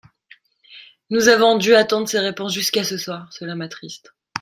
Nous avons dû attendre ces réponses jusqu’à ce soir : cela m’attriste.